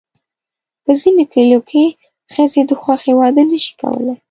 په ځینو کلیو کې ښځې د خوښې واده نه شي کولی.